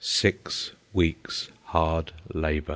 Six weeks' hard labour.